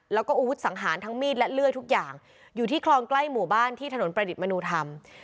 แล้วก็อาวุธสังหารทั้งมีดและเลื่อยทุกอย่างอยู่ที่คลองใกล้หมู่บ้านที่ถนนประดิษฐ์มนุธรรม